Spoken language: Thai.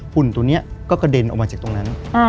หุ่นตัวนี้ก็กระเด็นออกมาจากตรงนั้น